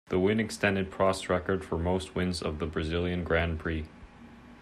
The win extended Prost's record for most wins of the Brazilian Grand Prix.